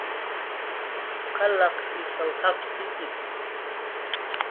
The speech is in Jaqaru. Qalaq ishaw jakkitxi